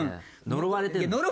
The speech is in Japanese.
呪われてるの。